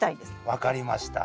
分かりました。